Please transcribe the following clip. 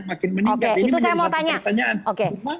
makin meningkat ini menjadi satu pertanyaan